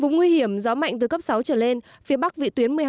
vùng nguy hiểm gió mạnh từ cấp sáu trở lên phía bắc vị tuyến một mươi hai ba km